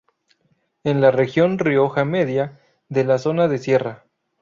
En la región Rioja Media, de la zona de Sierra.